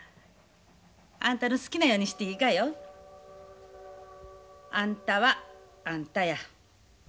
あんたの好きなようにしていいがよ。あんたはあんたや。